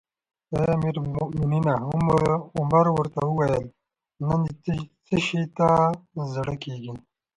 اې امیر المؤمنینه! عمر ورته وویل: نن دې څه شي ته زړه کیږي؟